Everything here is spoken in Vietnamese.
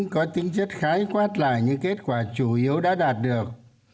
có tính chất khái quát lại những kết quả chủ yếu đã đạt được